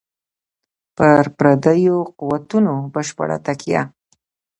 پر پردیو قوتونو بشپړه تکیه.